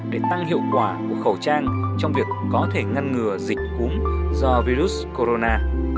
để tăng hiệu quả của khẩu trang trong việc có thể ngăn ngừa dịch cúm do virus corona